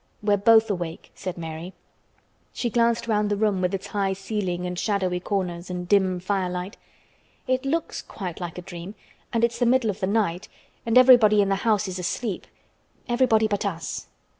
"We're both awake," said Mary. She glanced round the room with its high ceiling and shadowy corners and dim fire light. "It looks quite like a dream, and it's the middle of the night, and everybody in the house is asleep—everybody but us.